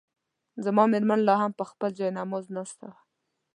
زما مېرمنه لا هم پر خپل جاینماز ناسته وه.